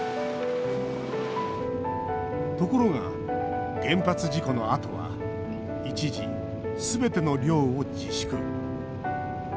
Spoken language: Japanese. ところが、原発事故のあとは一時、すべての漁を自粛。